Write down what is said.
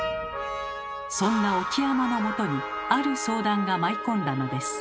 そんな沖山のもとにある相談が舞い込んだのです。